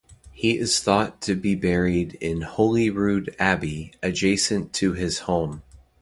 He is thought to be buried in Holyrood Abbey adjacent to his home.